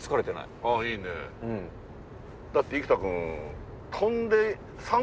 だって生田君。